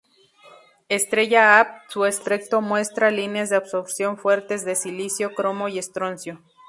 Estrella Ap, su espectro muestra líneas de absorción fuertes de silicio, cromo y estroncio.